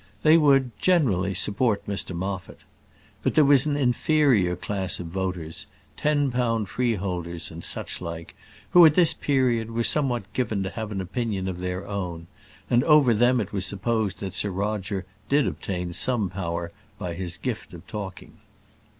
They would, generally, support Mr Moffat. But there was an inferior class of voters, ten pound freeholders, and such like, who, at this period, were somewhat given to have an opinion of their own, and over them it was supposed that Sir Roger did obtain some power by his gift of talking.